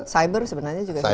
cyber sebenarnya juga sudah mulai